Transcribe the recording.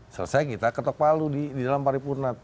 selesai kita ketok palu di dalam paripurna